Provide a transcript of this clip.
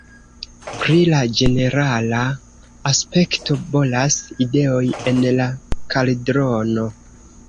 Pri la ĝenerala aspekto, bolas ideoj en la kaldrono.